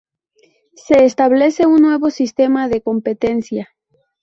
Se establece un nuevo sistema de competencia.